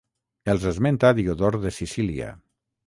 Els esmenta Diodor de Sicília.